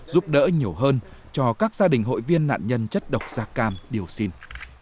giúp đỡ nhiều hơn cho các gia đình hội viên nạn nhân chất độc da cam điêu sinh